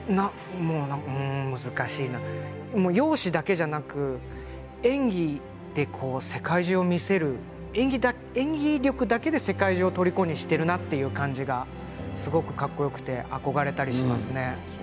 難しいな容姿だけでなく演技で世界中を魅せる演技力だけで世界中をとりこにしているなという感じがすごくかっこよくて憧れたりしますね。